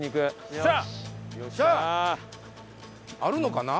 あるのかな？